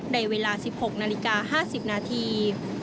ในเวลา๑๖นาฬิกา๕๐นาที